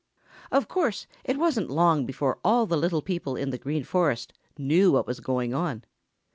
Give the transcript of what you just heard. Of course it wasn't long before all the little people in the Green Forest knew what was going on.